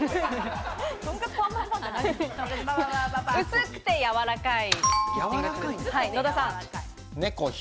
薄くてやわらかい。